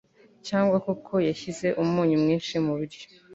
cyangwa kuko yashyize umunyu mwinshi mu biryo